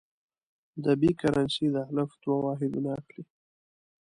د ب کرنسي د الف دوه واحدونه اخلي.